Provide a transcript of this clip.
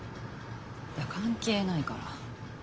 いや関係ないから。